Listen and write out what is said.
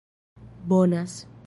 bonas